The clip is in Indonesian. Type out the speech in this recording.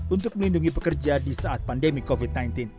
untuk melindungi pekerja di saat pandemi covid sembilan belas